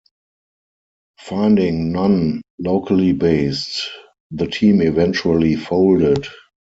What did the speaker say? Finding none locally based, the team eventually folded.